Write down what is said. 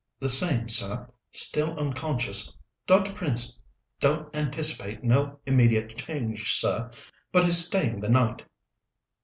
"The same, sir still unconscious. Dr. Prince don't anticipate no immediate change, sir, but he's staying the night."